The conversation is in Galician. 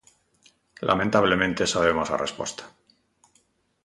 Lamentablemente sabemos a resposta.